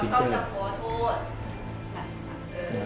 อะไรนอกเลยไม่ออกได้ครับ